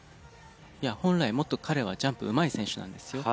いや本来もっと彼はジャンプうまい選手なんですよ。